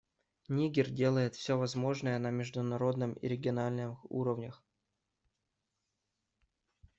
Нигер делает все возможное на международном и региональном уровнях.